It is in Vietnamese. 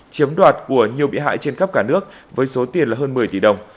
chiếm đoạt của nhiều bị hại trên khắp cả nước với số tiền là hơn một mươi tỷ đồng